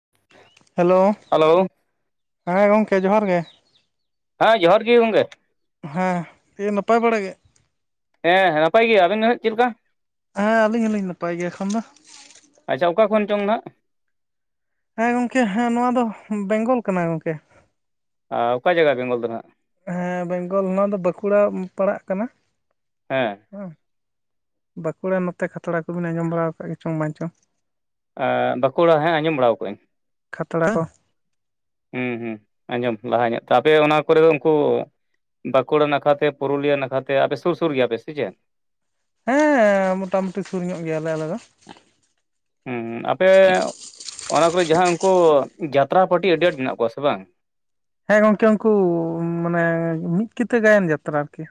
[inaudible] Hello hello ᱦᱮᱸ ᱜᱚᱢᱠᱮ ᱡᱚᱦᱟᱨ ᱜᱮ ᱦᱮᱸ ᱡᱚᱦᱟᱨ ᱜᱮ ᱜᱚᱝᱠᱮ ᱦᱮᱸ ᱫᱤᱭᱮ ᱱᱟᱯᱟᱭ ᱵᱟᱲᱟ ᱜᱮ ᱦᱮᱸ ᱱᱟᱯᱟᱭ ᱜᱮ ᱟᱵᱤᱱ ᱫᱚ ᱦᱜ ᱪᱮᱫ ᱞᱮᱠᱟ ᱦᱮᱸ ᱟᱹᱞᱤᱧ ᱦᱚᱞᱤᱧ ᱱᱟᱯᱟᱭ ᱜᱮᱭᱟ ᱮᱠᱷᱚᱱ ᱫᱚ ᱟᱪᱪᱷᱟ ᱚᱠᱟ ᱠᱷᱚᱱ ᱪᱚᱝ ᱱᱟᱦᱟᱜ ᱦᱮᱸ ᱜᱚᱢᱠᱮ ᱦᱮᱸ ᱱᱚᱣᱟ ᱫᱚ ᱵᱮᱝᱜᱚᱞ ᱠᱟᱱᱟ ᱜᱚᱝᱠᱮ ᱟᱨ ᱚᱠᱟ ᱡᱟᱭᱜᱟ ᱵᱮᱝᱜᱚᱞ ᱫᱚ ᱱᱟᱦᱟᱜ ᱦᱮᱸ ᱵᱮᱝᱜᱚᱞ ᱱᱚᱣᱟ ᱫᱚ ᱵᱟᱸᱠᱩᱲᱟ ᱯᱟᱲᱟᱜ ᱠᱟᱱᱟ ᱦᱮᱸ ᱵᱟᱸᱠᱩᱲᱟ ᱱᱚᱛᱮ ᱠᱷᱟᱛᱲᱟ ᱠᱚᱵᱤᱱ ᱟᱸᱡᱚᱢ ᱵᱟᱲᱟ ᱟᱠᱟᱫ ᱜᱮ ᱪᱚᱝ ᱵᱟᱝ ᱪᱚᱝ ᱟᱼᱼ ᱵᱟᱸᱠᱩᱲᱟ ᱦᱮᱸ ᱟᱸᱡᱚᱢ ᱵᱟᱲᱟᱜ ᱟᱹᱧ ᱠᱷᱟᱛᱲᱟ ᱚᱜ ᱦᱩᱸ ᱦᱩᱸ ᱟᱸᱡᱚᱢ ᱞᱟᱦᱟ ᱧᱚᱜ ᱛ ᱟᱯᱮ ᱚᱱᱟ ᱠᱚᱨᱮ ᱩᱱᱠᱩ ᱵᱟᱸᱠᱩᱲᱟ ᱱᱟᱠᱷᱟᱛᱮ ᱯᱩᱨᱩᱞᱤᱭᱟᱹ ᱱᱟᱠᱷᱟᱛᱮ ᱟᱯᱮ ᱥᱩᱨ ᱥᱩᱨ ᱜᱮᱭᱟᱯᱮ ᱥᱮ ᱪᱮ ᱦᱮᱸ ᱢᱚᱴᱟᱢᱩᱴᱤ ᱥᱩᱨ ᱧᱚᱜ ᱜᱮᱭᱟᱞᱮ ᱟᱞᱮ ᱫᱚ ᱦᱮᱸ ᱟᱯᱮ ᱚᱱᱟ ᱠᱚᱨᱮ ᱡᱟᱦᱟᱸ ᱩᱱᱠᱩ ᱡᱟᱛᱨᱟ ᱯᱟᱴᱤ ᱟᱹᱰᱤ ᱟᱸᱴ ᱢᱮᱱᱟᱜ ᱠᱚᱣᱟ ᱥᱮ ᱵᱟᱝ ᱦᱮᱸ ᱜᱚᱢᱠᱮ ᱩᱱᱠᱩ ᱢᱟᱱᱮ ᱢᱤᱫ ᱠᱤᱛᱟᱹ ᱜᱟᱭᱟᱱ ᱡᱟᱛᱨᱟ ᱟᱨᱠᱤ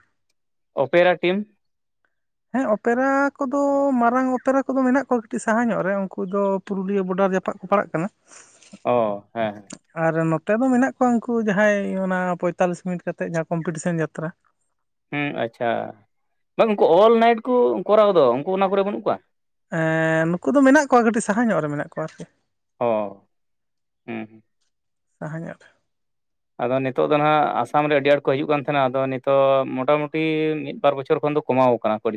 ᱚᱯᱮᱨᱟ ᱴᱤᱢ ᱦᱮᱸ ᱚᱯᱮᱨᱟ ᱠᱚᱫᱚ ᱢᱟᱨᱟᱝ ᱚᱯᱮᱨᱟ ᱠᱚᱫᱚ ᱢᱮᱱᱟᱜ ᱠᱚᱣᱟ ᱠᱟᱹᱴᱤᱡ ᱥᱟᱦᱟ ᱧᱚᱜ ᱨᱮ ᱩᱱᱠᱩ ᱫᱚ ᱯᱩᱨᱩᱞᱤᱭᱟᱹ ᱵᱚᱰᱟᱨ ᱡᱟᱯᱟᱜ ᱠᱚ ᱯᱟᱲᱟᱜ ᱠᱟᱱᱟ ᱚ ᱦᱮᱸ ᱦᱮᱸ ᱟᱨ ᱱᱚᱛᱮ ᱫᱚ ᱢᱮᱱᱟᱜ ᱠᱚᱣᱟ ᱩᱱᱠᱩ ᱡᱟᱦᱟᱸᱭ ᱚᱱᱟ ᱯᱚᱸᱭᱛᱟᱞᱞᱤᱥ ᱢᱤᱱᱤᱴ ᱠᱟᱛᱮᱫ ᱡᱟᱦᱟᱸ ᱠᱚᱢᱯᱤᱴᱤᱥᱮᱱ ᱡᱟᱛᱨᱟ ᱦᱮᱸ ᱟᱪᱪᱷᱟ ᱵᱟᱝ ᱩᱱᱠᱩ ᱚᱞ ᱱᱟᱭᱤᱴ ᱠᱚ ᱠᱚᱨᱟᱣ ᱫᱚ ᱩᱱᱠᱩ ᱚᱱᱟ ᱠᱚᱨᱮ ᱵᱟᱹᱱᱩᱜ ᱠᱚᱣᱟ ᱮ ᱱᱩᱠᱩ ᱫᱚ ᱢᱮᱱᱟᱜ ᱠᱚᱣᱟ ᱠᱟᱹᱴᱤᱡ ᱥᱟᱦᱟ ᱧᱚᱜ ᱨᱮ ᱢᱮᱱᱟᱜ ᱠᱚᱣᱟ ᱚ ᱦᱩᱸ ᱥᱟᱦᱟᱧᱚᱜ ᱟᱫᱚ ᱱᱤᱛᱚᱜ ᱫᱚ ᱦᱟᱜ ᱟᱥᱟᱢ ᱨᱮ ᱟᱹᱰᱤ ᱟᱸᱴ ᱠᱚ ᱦᱤᱡᱩᱜ ᱠᱟᱱ ᱛᱟᱦᱮᱸᱱᱟ ᱟᱫᱚ ᱱᱤᱛᱚᱜ ᱢᱚᱴᱟᱢᱩᱴᱤ ᱢᱤᱫ ᱵᱟᱨ ᱵᱚᱪᱷᱚᱨ ᱠᱷᱚᱱ ᱫᱚ ᱠᱚᱢᱟᱣ ᱠᱟᱱᱟ [inaudible]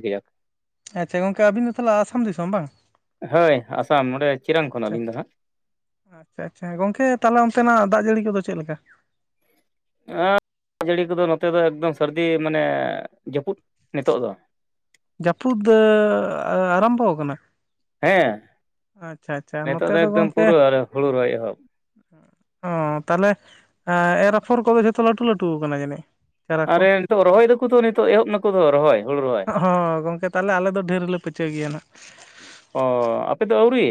ᱟᱪᱪᱷᱟ ᱜᱚᱝᱠᱮ ᱟᱹᱵᱤᱱ ᱫᱚ ᱛᱟᱦᱚᱞᱮ ᱟᱥᱟᱢ ᱫᱤᱥᱚᱢ ᱵᱟᱝ ᱦᱳᱭ ᱟᱥᱟᱢ ᱚᱸᱰᱮ ᱪᱤᱨᱟᱝ ᱠᱷᱚᱱ ᱟᱪᱪᱷᱟ ᱟᱹᱞᱤᱧ ᱫᱚ ᱦᱟᱸᱜ ᱟᱪᱪᱷᱟ ᱟᱪᱪᱷᱟ ᱜᱚᱝᱠᱮ ᱛᱟᱦᱚᱞᱮ ᱚᱱᱛᱮᱱᱟᱜ ᱫᱟᱜ ᱡᱟᱹᱲᱤ ᱠᱚᱫᱚ ᱪᱮᱫ ᱞᱮᱠᱟ ᱚ ᱫᱟᱜ ᱡᱟᱹᱲᱤ ᱠᱚᱫᱚ ᱱᱚᱛᱮ ᱫᱚ ᱮᱠᱫᱚᱢ ᱥᱟᱹᱨᱫᱤ ᱢᱟᱱᱮ ᱡᱟᱹᱯᱩᱫ ᱱᱤᱛᱚᱜ ᱫᱚ ᱡᱟᱹᱯᱩᱫ ᱟᱨᱟᱢᱵᱚ ᱠᱟᱱᱟ ᱦᱮᱸ ᱟᱪᱪᱷᱟ ᱱᱤᱛᱚᱜ ᱱᱚᱛᱮ ᱫᱚ ᱮᱠᱫᱚᱢ ᱜᱚᱝᱠᱮ ᱯᱩᱨᱟᱹ ᱦᱩᱲᱩ ᱨᱚᱦᱚᱭ ᱮᱦᱚᱵ ᱚ ᱛᱟᱦᱚᱞᱮ ᱮᱨ ᱟᱯᱷᱚᱨ ᱠᱚᱫᱚ ᱡᱷᱚᱛᱚ ᱞᱟᱹᱴᱩ ᱞᱟᱹᱴᱩ ᱠᱟᱱᱟ ᱡᱟᱹᱱᱤᱡ ᱪᱟᱨᱟ ᱠᱚ ᱟᱨᱮ ᱱᱤᱛᱚᱜ ᱨᱚᱦᱚᱭ ᱫᱟᱠᱚ ᱛᱚ ᱱᱤᱛᱚᱜ ᱮᱦᱚᱵ ᱱᱟᱠᱚ ᱛᱚ ᱨᱚᱦᱚᱭ ᱦᱩᱲᱩ ᱨᱚᱦᱚᱭ ᱚ ᱜᱚᱝᱠᱮ ᱛᱟᱞᱦᱮ ᱟᱞᱮ ᱫᱚ ᱰᱷᱮᱨ ᱞᱮ ᱯᱟᱹᱪᱟᱹ ᱜᱮᱭᱟ ᱱᱟᱜ ᱚᱻ ᱟᱯᱮᱫᱚ ᱟᱣᱨᱤ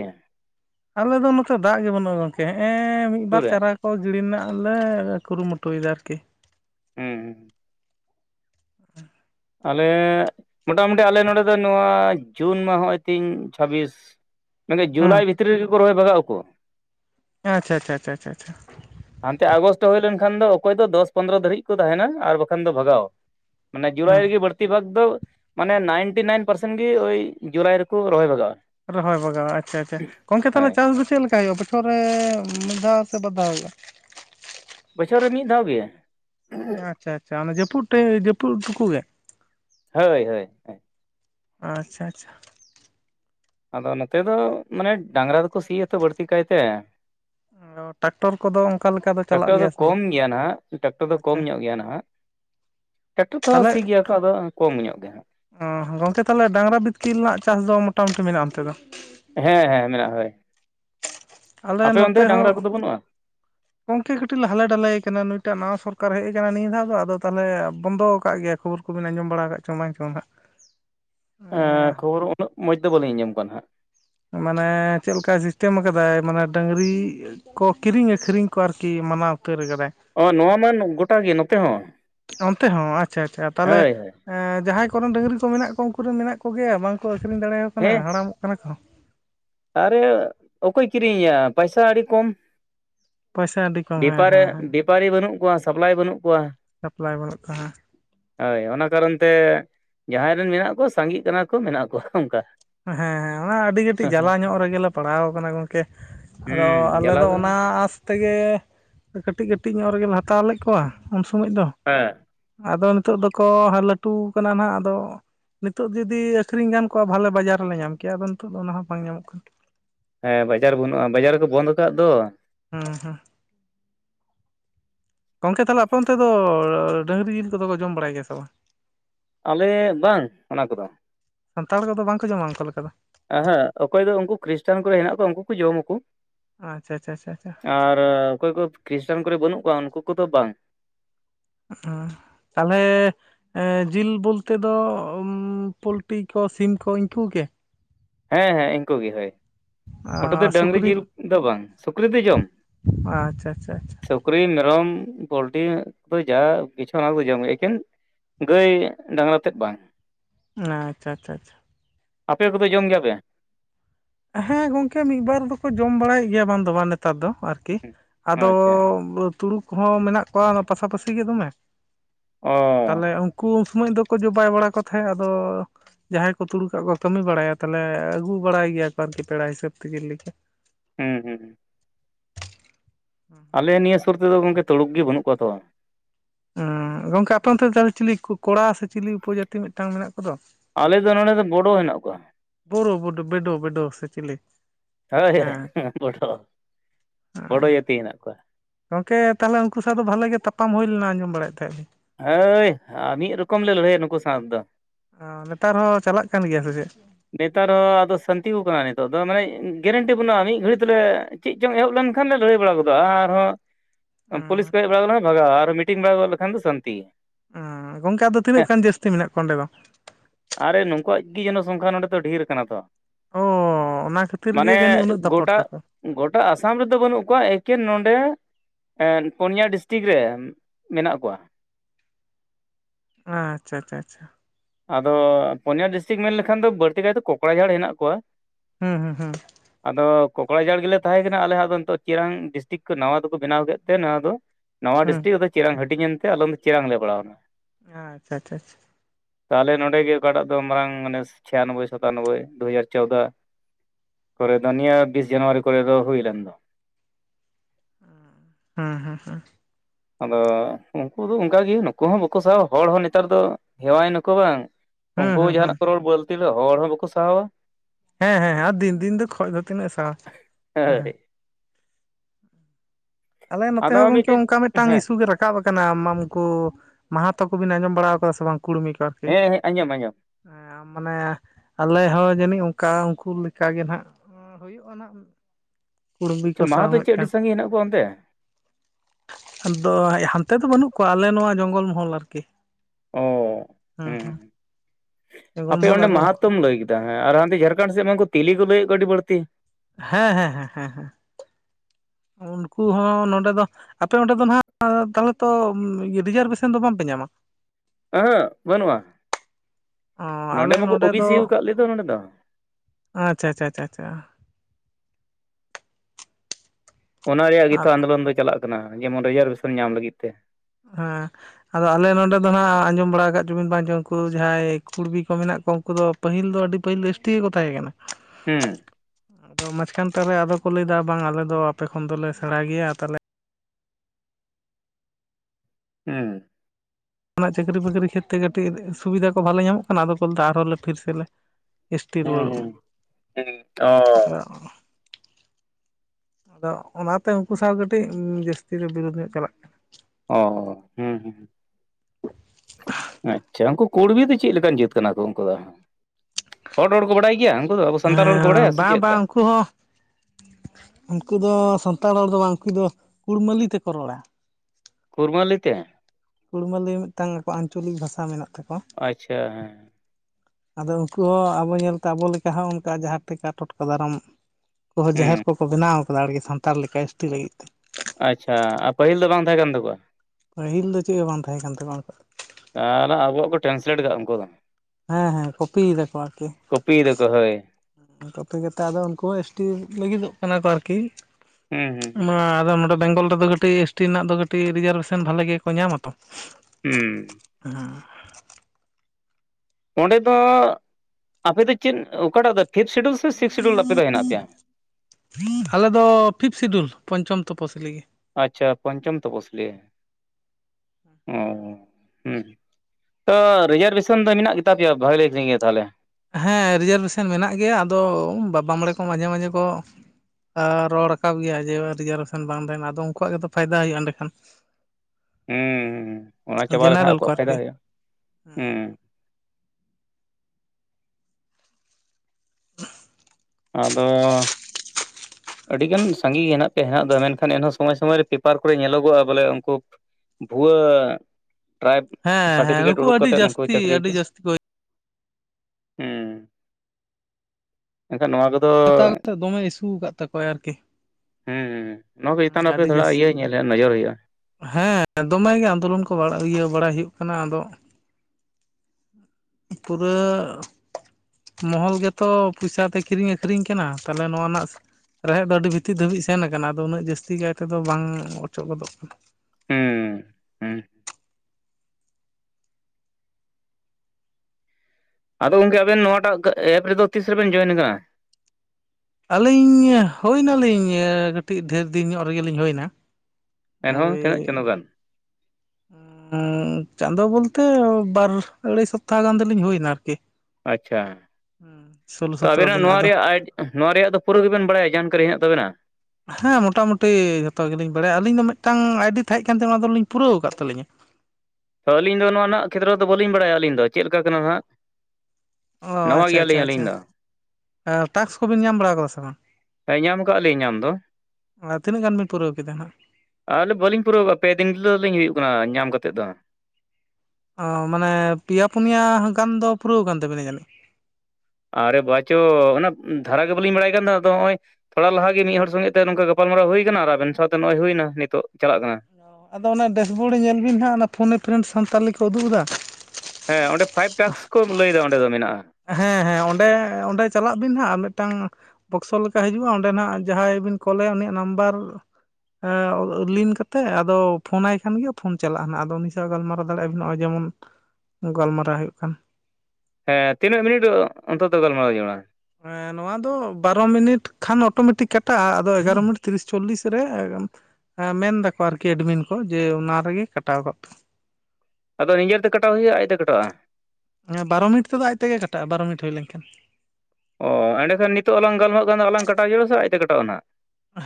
ᱟᱞᱮ ᱫᱚ ᱱᱚᱛᱮ ᱫᱟᱜ ᱜᱮ ᱵᱟᱹᱱᱩᱜᱼᱟ ᱜᱚᱝᱠᱮ ᱦᱮᱜ-ᱮ ᱢᱤᱫ ᱵᱟᱨ ᱛᱩᱨᱮ ᱪᱟᱨᱟ ᱠᱚ ᱜᱤᱲᱤ ᱨᱮᱱᱟᱜ ᱞᱮ ᱠᱩᱨᱩᱢᱩᱴᱩᱭᱫᱟ ᱟᱨᱠᱤ ᱦᱮᱸ ᱟᱞᱮ ᱢᱚᱴᱟᱢᱩᱴᱤ ᱟᱞᱮ ᱱᱚᱰᱮ ᱫᱚ ᱱᱚᱣᱟ ᱡᱩᱱ ᱢᱟ ᱦᱚᱜ-ᱚᱭ ᱛᱤᱧ ᱪᱷᱟᱵᱤᱥ ᱢᱟᱱᱮ ᱡᱩᱞᱟᱭ ᱦᱩᱸ ᱵᱷᱤᱛᱨᱤ ᱨᱮᱜᱮ ᱠᱚ ᱨᱚᱦᱚᱭ ᱵᱟᱜᱟᱜ ᱟᱠᱚ ᱟᱪᱪᱷᱟ ᱪᱷᱟ ᱪᱷᱟ ᱪᱷᱟ ᱦᱟᱱᱛᱮ ᱟᱜᱚᱥᱴ ᱦᱳᱭ ᱞᱮᱱᱠᱷᱟᱱ ᱫᱚ ᱚᱠᱚᱭ ᱫᱚᱥ ᱯᱚᱱᱨᱚ ᱫᱷᱟᱨᱤᱡ ᱠᱚ ᱛᱟᱦᱮᱱᱟ ᱟᱨ ᱵᱟᱠᱷᱟᱱ ᱫᱚ ᱵᱷᱟᱜᱟᱣ ᱢᱟᱱᱮ ᱡᱩᱞᱟᱭ ᱦᱩᱸ ᱨᱮᱜᱮ ᱵᱟᱹᱲᱛᱤ ᱵᱷᱟᱜᱽ ᱫᱚ ᱢᱟᱱᱮ ᱱᱟᱭᱤᱱᱴᱤ ᱱᱟᱭᱤᱱ ᱯᱟᱨᱥᱮᱱ ᱜᱮ ᱳᱭ ᱡᱩᱞᱟᱭ ᱨᱮᱠᱚ ᱨᱚᱦᱚᱭ ᱵᱟᱜᱟᱣᱟ ᱨᱚᱦᱚᱭ ᱵᱟᱜᱟᱣᱟ ᱟᱪᱪᱷᱟ ᱟᱪᱪᱷᱟ ᱜᱚᱝᱠᱮ ᱛᱟᱦᱚᱞᱮ ᱪᱟᱥ ᱫᱚ ᱪᱮᱫ ᱞᱮᱠᱟ ᱦᱳᱭᱳᱜᱼᱟ ᱵᱚᱪᱷᱚᱨ ᱨᱮ ᱢᱤᱫᱷᱟᱣ ᱥᱮ ᱵᱟᱫᱷᱟᱣ ᱦᱳᱭᱳᱜᱼᱟ ᱵᱚᱪᱷᱚᱨ ᱨᱮ ᱢᱤᱫ ᱫᱷᱟᱣ ᱜᱮ ᱟᱪᱪᱷᱟ ᱟᱪᱪᱷᱟ ᱚᱱᱟ ᱡᱟᱹᱯᱩᱫ ᱨᱮ ᱡᱟᱹᱯᱩᱫ ᱴᱩᱠᱩ ᱜᱮ ᱦᱳᱭ ᱦᱳᱭ ᱟᱪᱪᱷᱟ ᱟᱪᱪᱷᱟ ᱟᱫᱚ ᱱᱚᱛᱮ ᱫᱚ ᱢᱟᱱᱮ ᱰᱟᱝᱨᱟ ᱫᱚᱠᱚ ᱥᱤᱭᱟᱛᱚ ᱵᱟᱹᱲᱛᱤ ᱠᱟᱭᱛᱮ ᱚ ᱴᱨᱟᱠᱴᱚᱨ ᱫᱚ ᱵᱟᱝ? ᱠᱚᱢ ᱜᱮᱭᱟ ᱱᱟᱜ ᱴᱨᱟᱠᱴᱚᱨ ᱫᱚ ᱠᱚᱢ ᱟᱪᱪᱷᱟ ᱧᱚᱜ ᱜᱮᱭᱟ ᱱᱟᱦᱟᱜ ᱴᱨᱟᱠᱴᱟᱨ ᱛᱮᱦᱚᱸ ᱥᱤ ᱜᱮᱭᱟ ᱠᱚ ᱟᱫᱚ ᱠᱚᱢ ᱧᱚᱜ ᱜᱮ ᱦᱟᱸᱜ ᱚ ᱜᱚᱝᱠᱮ ᱛᱟᱦᱚᱞᱮ ᱰᱟᱝᱨᱟ ᱵᱤᱛᱠᱤᱞ ᱨᱮᱱᱟᱜ ᱪᱟᱥ ᱫᱚ ᱢᱚᱴᱟᱢᱩᱴᱤ ᱢᱮᱱᱟᱜᱼᱟ ᱚᱱᱛᱮ ᱫᱚ ᱦᱮᱸ ᱦᱮᱸ ᱢᱮᱱᱟᱜ-ᱟ ᱦᱳᱭ ᱟᱞᱮ ᱟᱯᱮ ᱚᱱᱛᱮ ᱱᱚᱛᱮ ᱦᱚᱸ ᱰᱟᱝᱨᱟ ᱠᱚᱫᱚ ᱵᱟᱹᱱᱩᱜᱼᱟ ᱜᱚᱝᱠᱮ ᱠᱟᱹᱴᱤᱡ ᱞᱮ ᱦᱟᱞᱮ ᱰᱟᱞᱮ ᱠᱟᱱᱟ ᱱᱩᱭᱴᱟᱜ ᱱᱟᱣᱟ ᱥᱚᱨᱠᱟᱨ ᱦᱮᱡ ᱠᱟᱱᱟᱭ ᱱᱤᱭᱟᱹ ᱫᱷᱟᱣ ᱫᱚ ᱟᱫᱚ ᱛᱟᱦᱚᱞᱮ ᱵᱚᱱᱫᱚ ᱠᱟᱫ ᱜᱮᱭᱟ ᱟᱸᱡᱚᱢ ᱵᱟᱲᱟ ᱠᱟᱫ ᱪᱚᱝ ᱵᱟᱝ ᱪᱚᱝ ᱦᱟᱸᱜ ᱮ ᱠᱷᱚᱵᱚᱨ ᱩᱱᱟᱹᱜ ᱢᱚᱸᱡᱽ ᱫᱚ ᱵᱟᱹᱞᱤᱧ ᱟᱸᱡᱚᱢ ᱠᱟᱱᱟ ᱦᱟᱸᱜ ᱢᱟᱱᱮ ᱪᱮᱫᱞᱮᱠᱟᱭ ᱥᱤᱥᱴᱮᱢ ᱠᱟᱫᱟᱭ ᱢᱟᱱᱮ ᱰᱟᱝᱨᱤ ᱠᱚ ᱠᱤᱨᱤᱧ ᱟᱹᱠᱷᱨᱤᱧ ᱠᱚ ᱟᱨᱠᱤ ᱢᱟᱱᱟᱣ ᱩᱛᱟᱹᱨ ᱠᱟᱫᱟᱭ ᱚ ᱱᱚᱣᱟ ᱢᱟ ᱜᱚᱴᱟ ᱜᱮ ᱱᱚᱛᱮ ᱦᱚᱸ ᱚᱱᱛᱮ ᱦᱚᱸ ᱟᱪᱪᱷᱟ ᱟᱪᱪᱷᱟ ᱛᱟᱦᱞᱮ ᱦᱳᱭ ᱦᱳᱭ ᱮ ᱡᱟᱦᱟᱭ ᱠᱚᱨᱮᱱ ᱰᱟᱹᱝᱨᱤ ᱠᱚ ᱢᱮᱱᱟᱜ ᱠᱚᱣᱟ ᱩᱱᱠᱩ ᱨᱮᱱ ᱢᱮᱱᱟᱜ ᱠᱚᱜᱮᱭᱟ ᱵᱟᱝᱠᱚ ᱟᱹᱠᱷᱨᱤᱧ ᱫᱟᱲᱮ ᱭᱟᱠᱚ ᱠᱟᱱᱟ ᱦᱮᱸ ᱦᱟᱲᱟᱢᱚᱜ ᱠᱟᱱᱟ ᱠᱚ᱾ ᱟᱨᱮ ᱚᱠᱚᱭ ᱠᱤᱨᱤᱧᱮᱭᱟ ᱯᱚᱭᱥᱟ ᱟᱹᱰᱤ ᱠᱚᱢ ᱯᱚᱭᱥᱟ ᱟᱹᱰᱤ ᱠᱩ ᱵᱮᱯᱟᱨᱮ ᱵᱮᱯᱟᱨᱤ ᱵᱟᱹᱱᱩᱜ ᱠᱚᱣᱟ ᱥᱟᱯᱞᱟᱭ ᱵᱟᱹᱱᱩᱜ ᱠᱚᱣᱟ ᱥᱟᱯᱞᱟᱭ ᱵᱟᱹᱱᱩᱜ ᱛᱟᱦᱟ ᱦᱳᱭ ᱚᱱᱟ ᱫᱚ ᱚᱱᱛᱮ ᱡᱟᱦᱟᱸᱭ ᱨᱮᱱ ᱢᱮᱱᱟᱜ ᱠᱚᱣᱟ ᱥᱟᱜᱤᱜ ᱠᱟᱱᱟ ᱠᱚ ᱢᱮᱱᱟᱜ ᱠᱚᱣᱟ ᱚᱱᱠᱟ ᱦᱮ ᱚᱱᱟ ᱟᱹᱰᱤ ᱜᱟᱴ ᱛᱤ ᱡᱟᱞᱟ ᱧᱚᱜ ᱨᱮᱜᱮ ᱞᱮ ᱯᱟᱲᱟᱣ ᱟᱠᱟᱱᱟ ᱜᱚᱝᱠᱮ ᱟᱫᱚ ᱦᱩᱸ ᱡᱟᱞᱟ ᱟᱞᱮᱫᱚ ᱫᱚ ᱚᱱᱟ ᱟᱥ ᱛᱮᱜᱮ ᱠᱟᱹᱴᱤᱡ ᱠᱟᱹᱴᱤᱡ ᱧᱚᱜ ᱨᱮᱜᱮᱞᱮ ᱦᱟᱛᱟᱣ ᱞᱮᱫ ᱠᱚᱣᱟ ᱩᱱ ᱥᱚᱢᱚᱭ ᱫᱚ᱾ ᱦᱮ ᱟᱫᱚ ᱱᱤᱛᱚᱜ ᱫᱚᱠᱚ ᱦᱟᱨ ᱞᱟᱴᱩ ᱠᱟᱱᱟ ᱱᱟᱦᱟᱜ ᱟᱫᱚ ᱱᱤᱛᱚᱜ ᱡᱩᱫᱤ ᱟᱹᱠᱨᱤᱧ ᱜᱟᱱ ᱠᱚᱜᱟ ᱵᱷᱟᱞᱮ ᱵᱟᱡᱟᱨ ᱨᱮᱞᱮ ᱧᱟᱢ ᱠᱮᱭᱟ ᱟᱫᱚ ᱱᱤᱛᱚᱜ ᱫᱚ ᱚᱱᱟ ᱦᱚᱸ ᱵᱟᱝ ᱧᱟᱢᱚᱜ ᱠᱟᱱᱟ ᱦᱮᱸ ᱵᱟᱡᱟᱨ ᱵᱟᱹᱱᱩᱜᱼᱟ ᱵᱟᱡᱟᱨ ᱨᱮᱠᱚ ᱵᱚᱱᱫᱚ ᱠᱟᱫ ᱫᱚ ᱦᱩᱸ ᱦᱩᱸ ᱜᱚᱝᱠᱮ ᱛᱟᱦᱚᱞᱮ ᱟᱯᱮ ᱚᱱᱛᱮ ᱫᱚ ᱰᱟᱹᱝᱨᱤ ᱡᱤᱞ ᱠᱚᱫᱚ ᱠᱚ ᱡᱚᱢ ᱵᱟᱲᱟᱭ ᱜᱮᱭᱟ ᱥᱮ ᱵᱟᱝ? ᱟᱞᱮ ᱵᱟᱝ ᱚᱱᱟ ᱠᱚᱫᱚ ᱥᱟᱱᱛᱟᱲ ᱠᱚᱫᱚ ᱵᱟᱝᱠᱚ ᱡᱚᱢᱟ ᱚᱱᱠᱟ ᱞᱮᱠᱟ ᱫᱚ ᱟᱦᱟᱜ ᱚᱠᱚᱭ ᱫᱚ ᱩᱱᱠᱩ ᱠᱷᱨᱤᱥᱴᱟᱱ ᱠᱚᱨᱮ ᱦᱮᱱᱟᱜ ᱠᱚᱣᱟ ᱩᱱᱠᱩ ᱠᱚ ᱡᱚᱢᱟ ᱠᱚ᱾ ᱟᱪᱪᱷᱟ ᱟᱪᱪᱷᱟ ᱪᱷᱟ ᱪᱷᱟ ᱪᱷᱟ ᱟᱨ ᱚᱠᱚᱭ ᱠᱚ ᱠᱷᱨᱤᱥᱴᱟᱱ ᱠᱚᱨᱮ ᱵᱟᱱᱩᱜ ᱠᱚᱣᱟ ᱩᱱᱠᱩ ᱠᱚᱫᱚ ᱵᱟᱝ᱾ ᱦᱩ ᱛᱟᱦᱚᱞᱮ ᱮ ᱡᱤᱞ ᱵᱚᱞᱛᱮ ᱫᱚ ᱯᱳᱞᱴᱤ ᱠᱚ ᱥᱤᱢ ᱠᱚ ᱤᱱᱠᱩ ᱜᱮ ᱦᱮ ᱦᱮ ᱤᱱᱠᱩ ᱜᱮ ᱦᱳᱭ ᱦᱚᱴᱮ ᱫᱚ ᱟᱨ ᱰᱟᱝᱨᱤ ᱥᱩᱠᱨᱤ ᱡᱤᱞ ᱫᱚ ᱵᱟᱝ ᱥᱩᱠᱨᱤ ᱫᱚ ᱡᱚᱢ ᱟᱪᱪᱷᱟ ᱟᱪᱪᱷᱟ ᱟᱪᱪᱷᱟ ᱥᱩᱠᱷᱨᱤ ᱢᱮᱨᱚᱢ ᱵᱚᱞᱴᱤ ᱫᱚ ᱡᱟ ᱵᱤᱪᱷᱟᱹᱣᱟ ᱚᱱᱟ ᱠᱚᱫᱚ ᱡᱚᱢ ᱦᱩᱭᱩᱜᱼᱟ ᱮᱠᱮᱱ ᱜᱟᱹᱭ ᱰᱟᱝᱜᱨᱟ ᱛᱮᱫ ᱵᱟᱝ ᱟ ᱟᱪᱪᱷᱟ ᱟᱪᱪᱷᱟ ᱟᱪᱪᱷᱟ- ᱟᱯᱮ ᱠᱚᱯᱮ ᱡᱚᱢ ᱜᱮᱭᱟ ᱯᱮ? ᱦᱮᱸ ᱜᱚᱝᱠᱮ ᱢᱤᱫ ᱵᱟᱨ ᱫᱚᱠᱚ ᱡᱚᱢ ᱵᱟᱲᱟᱭᱮᱜ ᱜᱮᱭᱟ ᱵᱟᱝ ᱫᱚ ᱵᱟᱝ ᱱᱮᱛᱟᱨ ᱫᱚ ᱟᱨ ᱠᱤ ᱟᱫᱚ ᱟᱪᱪᱷᱟ ᱛᱩᱲᱩᱠ ᱠᱚᱦᱚᱸ ᱢᱮᱱᱟᱜ ᱠᱚᱣᱟ ᱚᱱᱟ ᱯᱟᱥᱟᱯᱟᱥᱤ ᱜᱮ ᱫᱚᱢᱮ ᱚ ᱛᱟᱦᱚᱞᱮ ᱩᱱᱠᱩ ᱩᱱ ᱥᱚᱢᱚᱭ ᱫᱚᱠᱚ ᱡᱚᱵᱟᱭ ᱵᱟᱲᱟ ᱠᱚ ᱛᱟᱦᱮᱸᱜ ᱟᱫᱚ ᱡᱟᱦᱟᱸᱭ ᱠᱚ ᱛᱩᱲᱩᱠᱟᱜ ᱠᱚ ᱠᱟᱹᱢᱤ ᱵᱟᱲᱟᱭᱟ ᱛᱟᱦᱚᱞᱮ ᱟᱹᱜᱩ ᱵᱟᱲᱟᱭ ᱜᱮᱭᱟ ᱠᱚ ᱟᱨᱠᱤ ᱯᱮᱲᱟ ᱦᱤᱥᱟᱹᱵᱽ ᱛᱮ ᱡᱮᱞ ᱞᱮᱠᱟ ᱦᱩᱸ ᱦᱩᱸ ᱦᱩᱸ ᱟᱞᱮ ᱱᱤᱭᱟᱹ ᱥᱩᱨ ᱛᱮᱫᱚ ᱜᱚᱝᱠᱮ ᱛᱩᱲᱩᱠ ᱜᱮ ᱵᱟᱹᱱᱩᱜ ᱠᱚᱣᱟ ᱛᱚ ᱩᱸ ᱜᱚᱝᱠᱮ ᱟᱯᱮ ᱚᱱᱛᱮ ᱛᱟᱦᱚᱞᱮ ᱪᱤᱞᱤ ᱠᱚᱲᱟ ᱥᱮ ᱪᱤᱞᱤ ᱩᱯᱚᱡᱟᱹᱛᱤ ᱢᱤᱫᱴᱟᱝ ᱢᱮᱱᱟᱜ ᱠᱚᱫᱚ? ᱟᱞᱮ ᱫᱚ ᱱᱚᱰᱮ ᱫᱚ ᱵᱳᱰᱳ ᱦᱮᱱᱟᱜ ᱠᱚᱣᱟ ᱵᱳᱨᱳ ᱵᱳᱰ ᱵᱮᱰᱳ ᱵᱮᱰᱳ ᱥᱮ ᱪᱤᱞᱤ? ᱦᱳᱭ ᱦᱮᱸ ᱦᱳᱭ ᱵᱚᱰᱚ ᱵᱳᱰᱳ ᱡᱟᱹᱛᱤ ᱦᱮᱱᱟᱜ ᱠᱚᱣᱟ ᱜᱚᱢᱠᱮ ᱛᱟᱦᱚᱞᱮ ᱩᱱᱠᱩ ᱥᱟᱶ ᱫᱚ ᱵᱷᱟᱞᱮ ᱜᱮ ᱛᱟᱯᱟᱢ ᱦᱩᱭ ᱞᱮᱱᱟ ᱟᱡᱚᱢ ᱵᱟᱲᱟᱭᱮᱫ ᱛᱟᱦᱮᱫ ᱞᱤᱧ ᱦᱟᱹᱭ ᱢᱤᱫ ᱨᱚᱠᱚᱢ ᱞᱮ ᱞᱟᱹᱲᱦᱟᱹᱭ ᱭᱟ ᱱᱩᱠᱩ ᱥᱟᱶ ᱛᱮᱫᱚ ᱦᱚᱸ ᱱᱮᱛᱟᱨ ᱦᱚ ᱪᱟᱞᱟᱜ ᱠᱟᱱ ᱜᱮᱭᱟ ᱥᱮ ᱪᱮᱫ? ᱱᱮᱛᱟᱨ ᱦᱚᱸ ᱟᱫᱚ ᱥᱟᱱᱛᱤ ᱣᱟᱠᱟᱱᱟ ᱱᱤᱛᱚᱜ ᱫᱚ ᱢᱟᱱᱮ ᱜᱮᱨᱮᱱᱴᱤ ᱵᱟᱹᱱᱩᱜᱼᱟ ᱢᱤᱫ ᱜᱷᱟᱹᱲᱤ ᱛᱮᱞᱮ ᱪᱮᱫ ᱪᱚᱝ ᱮᱦᱚᱵ ᱞᱮᱱᱠᱷᱟᱱ ᱞᱮ ᱞᱟᱹᱭ ᱵᱟᱲᱟ ᱜᱚᱫᱟ ᱟᱨᱦᱚᱸ ᱯᱩᱞᱤᱥ ᱠᱚ ᱦᱮᱡ ᱵᱟᱲᱟ [unintelligible] ᱵᱷᱟᱜᱟᱜ-ᱟ ᱟᱨ ᱢᱤᱴᱤᱝ ᱵᱟᱲᱟ ᱜᱚᱫ ᱞᱮᱠᱷᱟᱱ ᱫᱚ ᱥᱟᱱᱛᱤ ᱚ ᱜᱚᱝᱠᱮ ᱟᱫᱚ ᱛᱤᱱᱟᱹᱜ ᱜᱟᱱ ᱡᱟᱹᱥᱛᱤ ᱢᱮᱱᱟᱜ ᱠᱚᱣᱟ ᱚᱸᱰᱮ ᱫᱚ? ᱟᱨᱮ ᱱᱩᱠᱩᱣᱟᱜ ᱜᱤ ᱡᱚᱱᱚᱥᱚᱝᱠᱷᱟ ᱱᱚᱸᱰᱮ ᱫᱚ ᱰᱷᱤᱨ ᱠᱟᱱᱟ ᱛᱚ ᱚ ᱚᱱᱟ ᱠᱷᱟᱹᱛᱤᱨ ᱜᱮ ᱡᱟᱹᱱᱤᱡ ᱢᱟᱱᱮ ᱩᱱᱟᱹᱜ ᱫᱟᱯᱚᱴ ᱜᱚᱴᱟ ᱛᱟᱠᱚ ᱜᱚᱴᱟ ᱟᱥᱟᱢ ᱨᱮᱫᱚ ᱵᱟᱱᱩᱜ ᱠᱚᱣᱟ ᱮᱠᱮᱱ ᱱᱚᱰᱮ ᱮᱱ ᱯᱳᱱᱭᱟ ᱰᱤᱥᱴᱤᱠ ᱨᱮ ᱢᱮᱱᱟᱜ ᱠᱚᱣᱟ ᱟᱪᱪᱷᱟ ᱟᱪᱪᱷᱟ ᱟᱪᱪᱷᱟ᱾ ᱟᱫᱚ ᱯᱚᱱᱭᱟ ᱰᱤᱥᱴᱤᱠ ᱢᱮᱱ ᱞᱮᱠᱷᱟᱱ ᱫᱚ ᱵᱟᱹᱲᱛᱤ ᱠᱟᱭᱛᱮ ᱠᱚᱠᱲᱟ ᱡᱷᱟᱲ ᱦᱮᱱᱟᱜ ᱠᱚᱣᱟ᱾ ᱦᱩᱸ ᱦᱩᱸ ᱦᱩᱸ ᱟᱫᱚ ᱠᱚᱠᱲᱟ ᱡᱷᱟᱲ ᱜᱮᱞᱮ ᱛᱟᱦᱮᱸ ᱠᱟᱱᱟ ᱟᱞᱮ ᱫᱚ ᱱᱤᱛᱚᱜ ᱪᱤᱨᱟᱝ ᱰᱤᱥᱴᱤᱠ ᱠᱚ ᱱᱟᱣᱟ ᱫᱚᱠᱚ ᱵᱮᱱᱟᱣ ᱠᱮᱫ ᱛᱮ ᱱᱚᱣᱟ ᱫᱚ ᱱᱟᱣᱟ ᱰᱤᱥᱴᱤᱠ ᱟᱫᱚ ᱪᱤᱨᱟᱝ ᱦᱟᱴᱤᱧ ᱮᱱᱛᱮ ᱟᱞᱮ ᱫᱚ ᱪᱤᱨᱟᱝ ᱞᱮ ᱯᱟᱲᱟᱣᱮᱱᱟ᱾ ᱟᱪᱪᱷᱟ ᱟᱪᱪᱷᱟ ᱟᱪᱪᱷᱟ᱾ ᱛᱟᱦᱞᱮ ᱱᱚᱸᱰᱮ ᱜᱮ ᱚᱠᱟᱴᱟᱜ ᱫᱚ ᱢᱟᱨᱟᱝ ᱢᱟᱱᱮ ᱪᱷᱤᱭᱟᱱᱚᱵᱚᱭ ᱥᱟᱛᱟᱱᱚᱵᱚᱭ ᱫᱩᱦᱟᱡᱟᱨ ᱪᱚᱣᱫᱟ᱾ ᱠᱚᱨᱮ ᱫᱚ ᱱᱤᱭᱟᱹ ᱵᱤᱥ ᱡᱟᱱᱩᱣᱟᱨᱤ ᱠᱚᱨᱮ ᱠᱚ ᱦᱩᱭ ᱞᱮᱱ ᱫᱚ᱾ ᱦᱩᱸ ᱦᱩᱸ ᱦᱩᱸ ᱟᱫᱚ ᱩᱱᱠᱩ ᱫᱚ ᱚᱱᱠᱟᱜᱤ ᱱᱩᱠᱩ ᱦᱚᱸ ᱵᱟᱠᱚ ᱥᱟᱵᱟ ᱦᱚᱲ ᱦᱚᱸ ᱱᱮᱛᱟᱨ ᱫᱚ ᱦᱮᱣᱟᱭᱱᱟᱠᱚ ᱵᱟᱝ᱾ ᱦᱩᱸ ᱩᱱᱠᱩ ᱦᱚᱸ ᱦᱩᱸ ᱡᱟᱦᱟᱱᱟᱜ ᱦᱩᱸ ᱠᱚ ᱨᱚᱲ ᱵᱟᱞᱛᱤ ᱞᱮ ᱦᱚᱲ ᱦᱚᱸ ᱵᱟᱠᱚ ᱥᱟᱦᱟᱣᱟ ᱦᱮᱸ ᱦᱮᱸ ᱟᱨ ᱫᱤᱱ ᱫᱤᱱ ᱫᱚ ᱠᱷᱚᱭ ᱫᱚ ᱛᱤᱱᱟᱹᱜ-ᱮ ᱥᱟᱦᱟᱣᱟ ᱦᱮᱸ ᱦᱮᱸ ᱦᱳᱭ ᱦᱮᱸ ᱟᱞᱮ ᱱᱚᱛᱮ ᱟᱫᱚ ᱦᱚᱸ ᱜᱚᱝᱠᱮ ᱢᱤᱫᱴᱤᱡ ᱚᱱᱠᱟ ᱢᱤᱫᱴᱟᱝ ᱦᱮᱸ ᱤᱥᱩ ᱜᱮ ᱨᱟᱠ ᱠᱟᱵ ᱟᱠᱟᱱᱟ ᱢᱟᱢᱠᱩ ᱢᱟᱦᱟᱛᱚ ᱠᱩᱵᱤᱱ ᱟᱡᱚᱢ ᱵᱟᱲᱟ ᱟᱠᱟᱫᱟ ᱥᱮ ᱵᱟᱝ ᱠᱩᱲᱢᱤ ᱠᱚ? ᱟᱨᱠᱤ ᱦᱮᱸ ᱦᱮᱸ ᱟᱸᱡᱚᱢ ᱟᱸᱡᱚᱢ᱾ ᱦᱮᱸ ᱢᱟᱱᱮ ᱟᱞᱮ ᱦᱚᱸ ᱡᱟᱱᱤᱡ ᱚᱱᱠᱟ ᱩᱱᱠᱩ ᱞᱮᱠᱟᱜᱮ ᱦᱟᱸᱜ ᱦᱩᱭᱩᱜ-ᱟ ᱱᱟᱜ, ᱠᱩᱲᱵᱤ ᱠᱚ ᱥᱟᱶ ᱢᱤᱫᱴᱟᱝ ᱜᱤ ᱦᱮᱱᱟᱜ ᱠᱚᱣᱟ ᱚᱱᱛᱮ᱾ ᱟᱫᱚ ᱦᱟᱱᱛᱮ ᱫᱚ ᱵᱟᱱᱩᱜ ᱠᱚᱣᱟ ᱟᱞᱮ ᱱᱚᱣᱟ ᱡᱚᱝᱜᱚᱞ ᱢᱚᱦᱚᱞ ᱟᱨᱠᱤ᱾ ᱚ ᱦᱩᱸ ᱦᱩᱸ ᱟᱯᱮ ᱚᱸᱰᱮ ᱢᱟᱦᱟᱛᱚᱢ ᱞᱟᱹᱭ ᱠᱮᱫᱟ ᱮᱸ ᱟᱨ ᱦᱟᱱᱰᱮ ᱡᱷᱟᱠᱷᱚᱸᱰ ᱥᱮᱫ ᱢᱟ ᱩᱱᱠᱩ ᱛᱤᱞᱤ ᱠᱚ ᱞᱟᱹᱭᱮᱫ ᱠᱚᱣᱟ ᱟᱰᱤ ᱵᱟ. ᱲᱛᱤ᱾ ᱦᱮᱸ ᱦᱮᱸ ᱦᱮᱸ ᱦᱮᱸ ᱩᱱᱠᱩ ᱦᱚᱸ ᱱᱚᱰᱮ ᱫᱚ ᱟᱯᱮ ᱚᱸᱰᱮ ᱫᱚ ᱱᱟᱦᱜ ᱛᱟᱦᱞᱮ ᱛᱚ ᱨᱤᱡᱟᱨᱵᱷᱮᱥᱚᱱ ᱫᱚ ᱵᱟᱝᱯᱮ ᱧᱟᱢᱟ? ᱮᱦᱮᱸ ᱵᱟᱹᱱᱩᱜ-ᱟ᱾ ᱚ ᱟᱞᱮ ᱱᱚᱰᱮ ᱢᱟᱠᱚ ᱚ ᱵᱤ ᱫᱚ ᱥᱤ ᱟᱠᱟᱜ ᱞᱮ ᱫᱚ ᱱᱚᱸᱰᱮ ᱫᱚ᱾ ᱟᱪᱪᱷᱟ ᱟᱪᱪᱷᱟ ᱟᱪᱪᱷᱟ᱾ ᱚᱱᱟ ᱨᱮᱭᱟᱜ ᱜᱮᱛᱚ ᱟᱱᱫᱚᱞᱟ. ᱱ ᱫᱚ ᱪᱟᱞᱟᱜ ᱠᱟᱱᱟ ᱡᱮᱢᱚᱱ ᱨᱮᱡᱟ. ᱨᱵᱮᱥᱟ. ᱱ ᱧᱟᱢ ᱞᱟᱜᱤᱫ ᱛᱮ᱾ ᱦᱟᱸᱻ ᱟᱫᱚ ᱟᱞᱮ ᱱᱚᱰᱮ ᱫᱚ ᱱᱟᱦᱜ ᱟᱸᱡᱚᱢ ᱵᱟᱲᱟ ᱟᱠᱟᱫ ᱪᱚ ᱵᱤᱱ ᱵᱟᱝ ᱪᱚᱝ ᱩᱱᱠᱩ ᱡᱟᱦᱟᱸᱭ ᱠᱩᱲᱵᱤ ᱠᱚ ᱢᱮᱱᱟᱜ ᱠᱚᱣᱟ ᱩᱱᱠᱩ ᱫᱚ ᱯᱟ. ᱦᱤᱞ ᱫᱚ ᱟ. ᱰᱤ ᱯᱟ. ᱦᱤᱞ ᱫᱚ ᱮᱥᱴᱤ ᱜᱮᱠᱚ ᱛᱟᱸᱦᱮᱸ ᱠᱟᱱᱟ᱾ ᱦᱩᱸ᱾ ᱟᱫᱚ ᱢᱟᱡᱠᱷᱟᱱ ᱛᱟᱞᱦᱮ ᱟᱫᱚ ᱠᱚ ᱞᱟᱹᱭᱫᱟ ᱵᱟᱝ ᱟᱞᱮ ᱫᱚ ᱟᱯᱮ ᱠᱷᱚᱱ ᱫᱚᱞᱮ ᱥᱮᱬᱟ ᱜᱮᱭᱟ ᱛᱟᱞᱦᱮ ᱦᱩᱸ᱾ ᱵᱚᱱᱟᱜ ᱪᱟ. ᱠᱨᱤ ᱵᱟ. ᱠᱨᱤ ᱠᱷᱮᱛᱨᱮ ᱠᱟᱴᱤᱡ ᱥᱩᱵᱤᱫᱟ ᱠᱚ ᱵᱷᱟᱞᱮ ᱧᱟᱢᱚᱜ ᱠᱟᱱᱟ ᱟᱫᱚ ᱠᱚ ᱞᱟᱹᱭ ᱫᱟ ᱟᱨᱦᱚᱸ ᱞᱮ ᱯᱷᱤᱨᱥᱮ ᱞᱮ ᱦᱩᱸ-ᱦᱩᱸ ᱦᱩᱸ ᱚᱻ ᱟᱫᱚ ᱟᱫᱚ ᱚᱱᱟᱛᱮ ᱩᱱᱠᱩ ᱥᱟᱶ ᱠᱟᱹᱴᱤᱡ ᱡᱟᱥᱛᱤ ᱫᱚ ᱵᱤᱨᱩᱫ ᱧᱚᱜ ᱪᱟᱞᱟᱜ ᱠᱟᱱᱟ᱾ ᱚ ᱦᱩᱸ ᱦᱩᱸ᱾ ᱟᱪᱪᱷᱟ ᱩᱱᱠᱩ ᱠᱩᱸᱲᱵᱤ ᱫᱚ ᱪᱮᱫ ᱞᱮᱠᱟᱱ ᱡᱟᱹᱛ ᱠᱟᱱᱟ ᱠᱚ ᱩᱱᱠᱩ ᱫᱚ ᱦᱚᱲ ᱨᱚᱲ ᱠᱚ ᱵᱟᱲᱟᱭ ᱜᱮᱭᱟ? ᱫᱚ ᱟᱵᱚ ᱥᱟᱱᱛᱟᱲ ᱨᱚᱲ ᱠᱚ ᱦᱮᱸ ᱵᱟᱰᱟᱭᱟ ᱥᱮ ᱵᱟᱝ ᱪᱮᱫ ᱵᱟᱝ ᱞᱮᱠᱟ? ᱩᱱᱠᱩ ᱦᱚᱸ ᱩᱱᱠᱩ ᱫᱚ ᱥᱟᱱᱛᱟᱲ ᱦᱚᱲ ᱫᱚ ᱵᱟᱝ ᱩᱱᱠᱩ ᱫᱚ ᱠᱩᱲᱢᱟᱹᱞᱤ ᱛᱮᱠᱚ ᱨᱚᱲᱟ᱾ ᱠᱩᱲᱢᱟᱹᱞᱤ ᱛᱮ᱾ ᱠᱩᱲᱢᱟᱹᱞᱤ ᱢᱤᱫᱴᱟᱝ ᱟᱠᱚᱣᱟᱜ ᱟᱧᱪᱚᱞᱤᱠ ᱵᱷᱟᱥᱟ ᱢᱮᱱᱟᱜ ᱛᱟᱠᱚᱣᱟ᱾ ᱟᱪᱪᱷᱟ ᱦᱮᱸ ᱟᱫᱚ ᱩᱱᱠᱩ ᱦᱚᱸ ᱟᱵᱚ ᱧᱮᱞᱛᱮ ᱟᱵᱚ ᱞᱮᱠᱟ ᱦᱚᱸ ᱚᱱᱠᱟ ᱡᱟᱸᱦᱟᱸ ᱴᱮᱠᱟ ᱴᱚᱴᱠᱟ ᱫᱟᱨᱟᱢ ᱩᱱᱠᱚᱸ ᱦᱚᱸ ᱡᱟᱦᱮᱨ ᱦᱩᱸ ᱠᱚᱠᱚ ᱵᱮᱱᱟᱣ ᱠᱟᱫᱟ ᱟᱨᱠᱤ ᱥᱟᱱᱛᱟᱲ ᱞᱮᱠᱟ ᱮᱥᱴᱤ ᱞᱟᱹᱜᱤᱫ ᱛᱮ᱾ ᱟᱪᱪᱷᱟ ᱟᱨ ᱯᱟᱹᱦᱤᱞ ᱫᱚ ᱵᱟᱝ ᱛᱟᱸᱦᱮᱸ ᱠᱟᱱ ᱛᱟᱠᱩᱣᱟ᱾ ᱯᱟ. ᱦᱤᱞ ᱫᱚ ᱪᱮᱫ ᱦᱚᱸ ᱵᱟᱝ ᱛᱟᱸᱦᱮᱸ ᱠᱟᱱ ᱛᱟᱠᱚᱣᱟ ᱩᱱᱠᱟᱣᱟᱜ᱾ ᱛᱟᱦᱞᱮ ᱟᱵᱚᱣᱟᱜ ᱠᱚ ᱴᱨᱟᱱᱥᱞᱮᱴ ᱠᱟᱜᱼᱟ ᱩᱱᱠᱩ ᱫᱚ᱾ ᱦᱮᱸ ᱦᱮᱸ ᱠᱚᱯᱤᱭᱮᱫᱟ ᱠᱚ ᱟᱨᱠᱤ᱾ ᱠᱚᱯᱤᱭ ᱫᱟᱠᱚ ᱦᱳᱭ ᱠᱚᱯᱤ ᱠᱟᱛᱮᱫ ᱟᱫᱚ ᱩᱱᱠᱩ ᱦᱚᱸ ᱮᱥᱴᱤ ᱞᱟᱜᱤᱫᱚᱜ ᱠᱟᱱᱟ ᱠᱚ ᱟᱨᱠᱤ᱾ ᱦᱩᱸ ᱦᱩᱸ ᱢᱟ ᱟᱫᱚ ᱱᱚᱰᱮ ᱵᱮᱝᱜᱚᱞ ᱨᱮ ᱫᱚ ᱠᱟᱴᱤᱡ ᱮᱥᱴᱤ ᱨᱮᱱᱟᱜ ᱫᱚ ᱠᱟᱴᱤᱡ ᱨᱤᱡᱟᱨᱵᱷᱮᱥᱚᱱ ᱵᱷᱟᱞᱮ ᱜᱮᱠᱚ ᱧᱟᱢ ᱟᱛᱚ ᱦᱩᱸᱻ ᱦᱮᱸ ᱚᱸᱰᱮ ᱫᱚ ᱟᱯᱮᱫ ᱫᱚ ᱪᱮᱫ ᱚᱠᱟᱴᱟᱜ ᱫᱚ ᱯᱷᱤᱯᱛᱷ ᱥᱤᱰᱩᱞ ᱥᱮ ᱥᱤᱠᱥ ᱥᱤᱰᱩᱞ ᱟᱯᱮ ᱫᱚ ᱦᱮᱱᱟᱜ ᱯᱮᱭᱟ ᱟᱞᱮ ᱫᱚ ᱯᱷᱤᱯᱛᱷ ᱥᱤᱰᱩᱞ ᱯᱚᱧᱪᱷᱚᱢ ᱛᱚᱯᱚᱥᱤᱞᱤ ᱜᱮ ᱟᱪᱪᱷᱟ ᱯᱚᱧᱪᱚᱢ ᱛᱚᱯᱚᱥᱤᱞᱤ ᱚ ᱦᱮᱸ ᱛᱚ ᱨᱤᱡᱟᱨᱵᱷᱮᱥᱚᱱ ᱫᱚ ᱢᱮᱱᱟᱜ ᱜᱮᱛᱟ ᱯᱮᱭᱟ ᱵᱷᱟᱜᱤ ᱤᱟᱦᱤᱡ ᱜᱮ ᱛᱟᱦᱚᱞᱮ ᱦᱮᱸ ᱨᱤᱡᱟᱨᱵᱷᱮᱥᱮᱱ ᱢᱮᱱᱟᱜ ᱜᱮᱭᱟ ᱟᱫᱚ ᱵᱟ ᱵᱟᱢᱚᱬᱮ ᱠᱚ ᱢᱟᱡᱷᱮᱼᱢᱟᱡᱷᱮ ᱠᱚ ᱨᱚᱲ ᱨᱟᱠᱟᱵ ᱜᱮᱭᱟ ᱡᱮ ᱨᱤᱡᱟᱨᱵᱷᱮᱥᱚᱱ ᱵᱟᱝ ᱛᱟᱦᱮᱱᱟ ᱟᱫᱚ ᱩᱱᱠᱩᱣᱟᱜ ᱜᱮᱛᱚ ᱯᱷᱟᱭᱫᱟ ᱦᱩᱭᱩᱜᱼᱟ ᱮᱸᱰᱮᱠᱷᱟᱱ ᱦᱩᱸ ᱚᱱᱟ ᱪᱟᱵᱟ ᱞᱮᱠᱷᱟᱱ ᱡᱮᱱᱟᱨᱮᱞ ᱠᱚ ᱟᱠᱚᱣᱟᱜ ᱯᱷᱟᱭᱫᱟ ᱟᱨᱠᱤ ᱦᱩᱭᱩᱜᱼᱟ ᱦᱩᱸ ᱟᱫᱚ ᱟ. ᱰᱤᱜᱟᱱ ᱥᱟᱸᱜᱤ ᱜᱮ ᱦᱮᱱᱟᱜ ᱯᱮᱭᱟ ᱦᱮᱱᱟᱜᱫᱚ ᱢᱮᱱᱠᱷᱟᱱ ᱮᱱᱦᱚᱸ ᱥᱚᱢᱚᱭ ᱥᱚᱢᱚᱭ ᱨᱮ ᱯᱮᱯᱟᱨ ᱠᱚᱨᱮ ᱧᱮᱞᱚᱜᱚᱜᱼᱟ ᱵᱚᱞᱮ ᱩᱱᱠᱩ ᱵᱷᱩᱣᱟᱹ ᱴᱨᱟᱭᱤᱵᱽ ᱦᱮᱸ ᱦᱮᱸ ᱥᱟᱴᱤᱯᱤᱠᱮᱴ ᱱᱩᱠᱩ ᱩᱰᱩᱠ ᱟᱹᱰᱤ ᱠᱟᱛᱮᱫ ᱱᱩᱠᱩ ᱡᱟᱹᱥᱛᱤ ᱪᱟ. ᱟᱹᱰᱤ ᱠᱨᱤᱭᱟᱠᱩ᱾ ᱡᱟᱹᱥᱛᱤ ᱠᱚ ᱦᱮᱸ ᱮᱱᱠᱷᱟᱱ ᱱᱚᱣᱟ ᱫᱚ ᱦᱟᱛᱟᱣ ᱠᱟᱛᱮᱫ ᱫᱚᱢᱮ ᱤᱥᱩ ᱠᱟᱫ ᱛᱟᱠᱚᱣᱟᱭ ᱟᱨᱠᱤ ᱦᱩ ᱱᱚᱣᱟ ᱠᱚ ᱪᱮᱛᱟᱱ ᱦᱮᱸ ᱟᱯᱮ ᱟᱹᱰᱤ ᱛᱷᱚᱲᱟ ᱡᱟᱹᱥ ᱤᱭᱟᱹ ᱧᱮᱞ ᱤᱭᱟᱹ ᱱᱚᱡᱚᱨ ᱦᱩᱭᱩᱜᱼᱟ ᱦᱮᱸ ᱫᱚᱢᱮ ᱜᱮ ᱟᱱᱫᱳᱞᱚᱱ ᱠᱚ ᱤᱭᱟᱹ ᱵᱟᱲᱟᱭ ᱦᱩᱭᱩᱜ ᱠᱟᱱᱟ ᱟᱫᱚ ᱯᱩᱨᱟᱹ ᱢᱚᱦᱚᱞ ᱜᱮᱛᱚ ᱯᱚᱭᱥᱟᱛᱮ ᱠᱤᱨᱤᱧ ᱟᱹᱠᱷᱨᱤᱧ ᱠᱟᱱᱟ ᱛᱟᱦᱚᱞᱮ ᱱᱚᱣᱟ ᱨᱮᱱᱟᱜ ᱨᱮᱦᱮᱫ ᱫᱚ ᱟᱹᱰᱤ ᱵᱷᱤᱛᱤᱨ ᱫᱷᱟᱹᱵᱤᱡ ᱥᱮᱱ ᱟᱠᱟᱱᱟ ᱟᱫᱚ ᱩᱱᱟᱹᱜ ᱡᱟᱹᱥᱛᱤ ᱠᱟᱭ ᱛᱮᱫᱚ ᱵᱟᱝ ᱚᱪᱚᱜ ᱜᱚᱫᱚᱜ ᱠᱟᱱᱟ ᱦᱩᱸ ᱦᱩᱸ ᱟᱫᱚ ᱜᱚᱝᱠᱮ ᱟᱵᱮᱱ ᱱᱚᱣᱟᱴᱟᱜ ᱮᱯ ᱨᱮᱫᱚ ᱛᱤᱥ ᱨᱮᱵᱮᱱ ᱡᱚᱭᱮᱱ ᱟᱠᱟᱱᱟ? ᱟᱹᱞᱤᱧ ᱦᱩᱭ ᱱᱟᱞᱤᱧ ᱠᱟᱹᱴᱤᱡ ᱰᱷᱮᱨ ᱫᱤᱱ ᱧᱚᱜ ᱨᱮᱜᱮᱞᱤᱧ ᱦᱩᱭᱱᱟ ᱮᱱᱦᱚᱸ ᱛᱤᱱᱟᱹᱜ ᱪᱟᱸᱫᱳ ᱜᱟᱱ ᱪᱟᱸᱫᱚ ᱵᱚᱞᱛᱮ ᱵᱟᱨ ᱟᱹᱲᱟᱹᱭ ᱥᱚᱯᱛᱟᱦᱚ ᱜᱟᱱ ᱫᱚᱞᱤᱧ ᱦᱩᱭᱱᱟ ᱟᱨᱠᱤ ᱟᱪᱪᱷᱟ ᱥᱳᱞᱳ ᱛᱚ ᱥᱚᱛᱨᱚ ᱟᱵᱮᱱᱟᱜ ᱫᱤᱱ ᱱᱚᱣᱟ ᱟᱫᱚ ᱨᱮᱭᱟᱜ ᱱᱚᱣᱟ ᱨᱮᱭᱟᱜ ᱫᱚ ᱯᱩᱨᱟᱹ ᱜᱮᱵᱮᱱ ᱵᱟᱲᱟᱭᱟ ᱡᱟᱱᱠᱟᱨᱤ ᱦᱮᱱᱟᱜ ᱛᱟᱵᱮᱱᱟ? ᱦᱮᱸ ᱢᱚᱴᱟᱢᱩᱴᱤ ᱡᱷᱚᱛᱚ ᱜᱮᱞᱤᱧ ᱵᱟᱲᱟᱭᱟ ᱟᱹᱞᱤᱧ ᱫᱚ ᱢᱤᱫᱴᱟᱝ ᱟᱭᱰᱤ ᱛᱟᱦᱮᱸ ᱠᱟᱱ ᱛᱤᱧᱟᱹ ᱱᱚᱱᱟ ᱫᱚᱞᱤᱧ ᱯᱩᱨᱟᱹᱣ ᱟᱠᱟᱫ ᱛᱟᱹᱞᱤᱧᱟ ᱟᱹᱞᱤᱧ ᱫᱚ ᱱᱚᱣᱟ ᱱᱟᱜ ᱠᱷᱮᱛᱨᱚ ᱫᱚ ᱵᱟᱹᱞᱤᱧ ᱵᱟᱲᱟᱭᱟ ᱟᱹᱞᱤᱧ ᱫᱚ ᱪᱮᱫ ᱞᱮᱠᱟ ᱠᱟᱱᱟ ᱦᱟᱜ ᱚ ᱟᱪᱪᱷᱟ ᱟᱪᱪᱷᱟ ᱟᱪᱪᱷᱟ ᱫᱚ ᱴᱟᱠᱥ ᱠᱚᱵᱮᱱ ᱧᱟᱢ ᱵᱟᱲᱟ ᱟᱠᱟᱫᱟ ᱥᱮ ᱵᱟᱝ? ᱦᱮᱸ ᱧᱟᱢ ᱠᱟᱜ ᱞᱤᱧ ᱧᱟᱢ ᱫᱚ ᱟᱨ ᱛᱤᱱᱟᱹᱜ ᱜᱟᱱ ᱵᱤᱱ ᱯᱩᱨᱟᱹᱣ ᱠᱮᱫᱟ ᱱᱟᱦᱟᱜ? ᱟᱨ ᱵᱟᱹᱞᱤᱧ ᱯᱩᱨᱟᱹᱣ ᱠᱟᱫᱟ ᱯᱮ ᱫᱤᱱ ᱦᱤᱞᱚᱜ ᱞᱤᱧ ᱦᱩᱭᱩᱜ ᱠᱟᱱᱟ ᱧᱟᱢ ᱠᱟᱛᱮᱫ ᱫᱚ ᱚ ᱢᱟᱱᱮ ᱯᱮᱭᱟ ᱯᱩᱱᱭᱟ ᱜᱟᱱ ᱫᱚ ᱯᱩᱨᱟᱹᱣ ᱠᱟᱱ ᱛᱟᱹᱵᱤᱱᱟ ᱡᱟᱹᱱᱤᱡ ᱟᱨᱮ ᱵᱟᱪᱚ ᱚᱱᱟ ᱫᱷᱟᱨᱟ ᱜᱮ ᱵᱟᱹᱞᱤᱧ ᱵᱟᱲᱟᱭ ᱠᱟᱱ ᱛᱟᱦᱮᱸ ᱟᱫᱚ ᱱᱚᱜᱼᱚᱭ ᱛᱷᱚᱲᱟ ᱞᱟᱦᱟ ᱜᱮ ᱢᱤᱫ ᱦᱚᱲ ᱥᱚᱸᱜᱮ ᱛᱮ ᱱᱚᱝᱠᱟ ᱜᱟᱯᱟᱞᱢᱟᱨᱟᱣ ᱦᱩᱭ ᱟᱠᱟᱱᱟ ᱟᱨ ᱟᱵᱮᱱ ᱥᱟᱶᱛᱮ ᱱᱚᱜᱚᱭ ᱦᱩᱭᱱᱟ ᱱᱤᱛᱚᱜ ᱪᱟᱞᱟᱜ ᱠᱟᱱᱟ ᱟᱫᱚ ᱚᱱᱟ ᱰᱮᱥᱵᱳᱲ ᱨᱮ ᱧᱮᱞ ᱵᱤᱱ ᱦᱟᱸᱜ ᱚᱱᱟ ᱯᱷᱳᱱ ᱮ ᱯᱷᱨᱮᱱᱰ ᱥᱟᱱᱛᱟᱞᱤ ᱠᱚ ᱩᱫᱩᱜ ᱮᱫᱟ? ᱦᱮᱸ ᱚᱸᱰᱮ ᱯᱷᱟᱭᱤᱵ ᱴᱟᱠᱥ ᱠᱚ ᱞᱟᱹᱭᱮᱫᱟ ᱚᱸᱰᱮ ᱫᱚ ᱢᱮᱱᱟᱜᱼᱟ ᱦᱮᱸ ᱦᱮᱸ ᱚᱸᱰᱮ ᱚᱸᱰᱮ ᱪᱟᱞᱟᱜ ᱵᱤᱱ ᱦᱟᱜ ᱢᱤᱫᱴᱟᱝ ᱵᱚᱠᱥᱚ ᱞᱮᱠᱟ ᱦᱤᱡᱩᱜᱼᱟ ᱚᱸᱰᱮ ᱱᱟᱜ ᱡᱟᱦᱟᱸᱭ ᱵᱤᱱ ᱠᱚᱞᱮᱭᱟ ᱩᱱᱤᱭᱟᱜ ᱱᱟᱢᱵᱟᱨ ᱞᱤᱱ ᱠᱟᱛᱮᱜ ᱟᱫᱚ ᱯᱷᱳᱱ ᱟᱭ ᱠᱷᱟᱱ ᱜᱮ ᱯᱷᱳᱱ ᱪᱟᱞᱟᱜᱼᱟ ᱟᱫᱚ ᱩᱱᱤ ᱥᱟᱶ ᱜᱟᱞᱢᱟᱨᱟᱣ ᱫᱟᱲᱮᱭᱟᱜᱼᱟ ᱵᱤᱱ ᱱᱚᱜᱼᱚᱭ ᱡᱮᱢᱚᱱ ᱜᱟᱞᱢᱟᱨᱟᱣ ᱦᱩᱭᱩᱜ ᱠᱟᱱ ᱦᱮᱸ ᱛᱤᱱᱟᱹᱜ ᱢᱤᱱᱤᱴ ᱚᱱᱛᱚ ᱛᱚ ᱜᱟᱞᱢᱟᱨᱟᱣ ᱦᱩᱭᱩᱜ ᱟ ᱱᱚᱣᱟ ᱫᱚ ᱵᱟᱨᱚ ᱢᱤᱱᱤᱴ ᱠᱷᱟᱱ ᱚᱴᱳᱢᱮᱴᱤᱠ ᱠᱟᱴᱟᱜᱼᱟ ᱟᱫᱚ ᱮᱜᱟᱨᱳ ᱢᱤᱱᱤᱴ ᱛᱤᱨᱤᱥ ᱪᱚᱞᱞᱤᱥ ᱨᱮ ᱢᱮᱱ ᱫᱟᱠᱚ ᱟᱨᱠᱤ ᱮᱰᱢᱤᱱ ᱠᱚ ᱡᱮ ᱚᱱᱟ ᱨᱮᱜᱮ ᱠᱟᱴᱟᱣ ᱠᱚᱜ ᱯᱮ ᱟᱫᱚ ᱱᱤᱡᱮᱛᱮ ᱠᱟᱴᱟᱣ ᱦᱩᱭᱩᱜᱼᱟ, ᱟᱡᱛᱮ ᱠᱟᱴᱟᱜᱼᱟ ᱦᱮᱸ ᱵᱟᱨ ᱢᱤᱱᱤᱴ ᱛᱮᱫᱚ ᱟᱡ ᱛᱮᱜᱮ ᱠᱟᱴᱟᱜᱼᱟ ᱵᱟᱨᱳ ᱢᱤᱱᱤᱴ ᱦᱩᱭ ᱞᱮᱱᱠᱷᱟᱱ ᱚ ᱮᱸᱰᱮᱠᱷᱟᱱ ᱱᱤᱛᱚᱜ ᱟᱞᱟᱝ ᱜᱟᱞᱢᱟᱨᱟᱜ ᱠᱟᱱ ᱫᱚ ᱟᱞᱟᱝ ᱠᱟᱴᱟᱣ ᱦᱩᱭᱩᱜᱼᱟ ᱥᱮ ᱟᱡᱛᱮ ᱠᱟᱴᱟᱜᱼᱟ ᱱᱟᱦᱟᱜ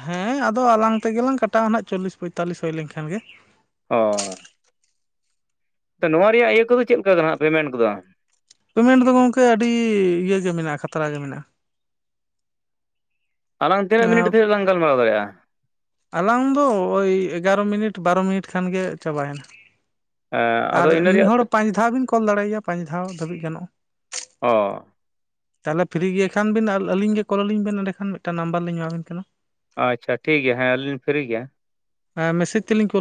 ᱦᱮᱸ ᱟᱫᱚ ᱟᱞᱟᱝ ᱛᱮᱜᱮᱞᱟᱝ ᱠᱟᱴᱟᱣᱟ ᱱᱟᱦᱟᱜ ᱪᱚᱞᱞᱤᱥ ᱯᱚᱸᱭᱛᱟᱞᱞᱤᱥ ᱦᱩᱭ ᱞᱮᱱᱠᱷᱟᱱ ᱜᱮ ᱚ ᱛᱚ ᱱᱚᱣᱟ ᱨᱮᱭᱟᱜ ᱤᱭᱟᱹ ᱠᱚᱫᱚ ᱪᱮᱫ ᱞᱮᱠᱟ ᱠᱟᱱᱟ ᱯᱮᱢᱮᱱᱴ ᱠᱚᱫᱚ ᱯᱮᱢᱮᱱᱴ ᱫᱚ ᱜᱚᱝᱠᱮ ᱟᱹᱰᱤ ᱤᱭᱟᱹ ᱜᱮ ᱢᱮᱱᱟᱜᱼᱟ ᱠᱷᱟᱛᱨᱟ ᱜᱮ ᱢᱮᱱᱟᱜᱼᱟ ᱟᱞᱟᱝ ᱛᱤᱱᱟᱹ ᱢᱤᱱᱴ ᱢᱮᱱᱟᱜᱼᱟ ᱛᱮᱞᱟᱝ ᱞᱟᱝ ᱜᱟᱞᱢᱟᱨᱟᱣ ᱫᱟᱲᱮᱼᱟ ᱟᱞᱟᱝ ᱫᱚ ᱳᱭ ᱮᱜᱟᱨᱚ ᱢᱤᱱᱤᱴ ᱵᱟᱨᱚ ᱢᱤᱱᱤᱴ ᱠᱷᱟᱱᱜ ᱪᱟᱵᱟᱭᱮᱱᱟ ᱦᱮᱸ ᱟᱫᱚ ᱟᱨ ᱤᱱᱟᱹ ᱢᱤᱫ ᱨᱮᱭᱟᱜ ᱦᱚᱲ ᱯᱟᱸᱪ ᱫᱷᱟᱣ ᱵᱤᱱ ᱠᱚᱞ ᱫᱟᱲᱮᱭᱟᱭᱟ ᱯᱟᱸᱪ ᱫᱷᱟᱣ ᱫᱷᱟᱹᱵᱤᱡ ᱜᱟᱱᱚᱜᱼᱟ ᱚ ᱛᱟᱦᱚᱞᱮ ᱯᱷᱤᱨᱤ ᱜᱮ ᱠᱷᱟᱱ ᱵᱤᱱ ᱟᱨ ᱟᱹᱞᱤᱧ ᱜᱮ ᱠᱚᱞ ᱟᱹᱞᱤᱧ ᱵᱮᱱ ᱮᱸᱰᱮ ᱠᱷᱟᱱ ᱢᱤᱫᱴᱟᱝ ᱱᱟᱢᱵᱟᱨ ᱞᱤᱧ ᱮᱢᱟᱵᱤᱱ ᱠᱟᱱᱟ ᱟᱪᱪᱷᱟ ᱴᱷᱤᱠ ᱜᱮᱭᱟ ᱦᱮᱸ ᱟᱹᱞᱤᱧ ᱯᱷᱤᱨᱤ ᱜᱮᱭᱟ ᱦᱮᱸ ᱢᱮᱥᱮᱡᱽ ᱛᱮᱞᱤᱧ ᱠᱳᱞ